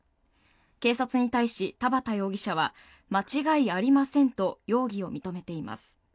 警察に対し田畑容疑者は間違いありませんと容疑を認めています。